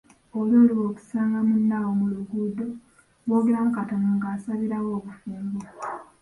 "Oli oluba okusanga munne awo mu luguudo, boogeramu katono nga asabirawo obufumbo."